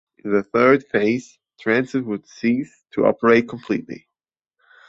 In the third phase, transit would cease to operate completely.